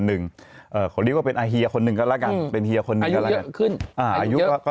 หนึ่งเขาลี่กกลับเป็นอาเฮียคนนึงก็แล้วกันอายุ